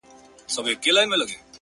چي آن خپله مور لا هم نه پېژني